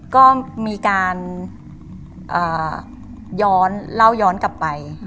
ก็มีการย้อนเล่าย้อนกลับไป